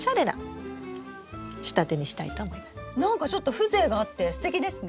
なんかちょっと風情があってすてきですね！